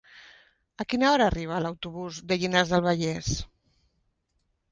A quina hora arriba l'autobús de Llinars del Vallès?